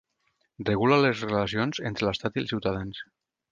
Regula les relacions entre l'Estat i els ciutadans.